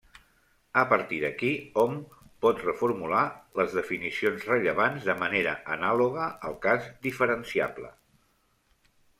A partir d'aquí, hom pot reformular les definicions rellevants de manera anàloga al cas diferenciable.